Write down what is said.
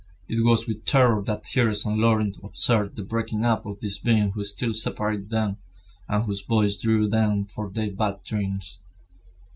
It was with terror that Thérèse and Laurent observed the breaking up of this being who still separated them, and whose voice drew them from their bad dreams.